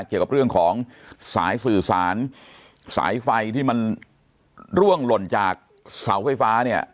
เกี่ยวกับเรื่องของสายสื่อสารสายไฟที่มันร่วงหล่นจากเสาไฟฟ้าเนี่ย